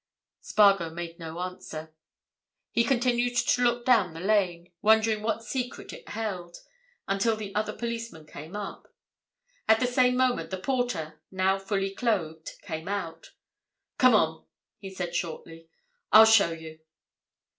Spargo made no answer. He continued to look down the lane, wondering what secret it held, until the other policeman came up. At the same moment the porter, now fully clothed, came out. "Come on!" he said shortly. "I'll show you."